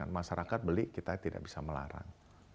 masyarakat beli kita tidak bisa melarang